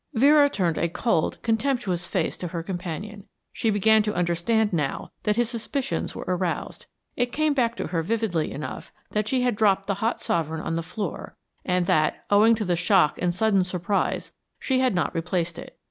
Vera turned a cold, contemptuous face to her companion; she began to understand now that his suspicions were aroused. It came back to her vividly enough that she had dropped the hot sovereign on the floor, and that, owing to the shock and sudden surprise, she had not replaced it.